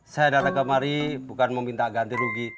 saya datang kemari bukan meminta ganti rugi